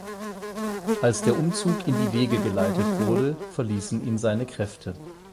Als der Umzug in die Wege geleitet wurde, verließen ihn seine Kräfte.